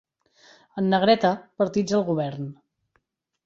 En negreta, partits al govern.